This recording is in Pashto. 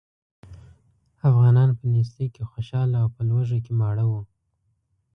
افغانان په نېستۍ کې خوشاله او په لوږه کې ماړه وو.